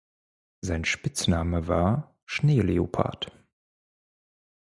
Sein Spitzname war „Schneeleopard“.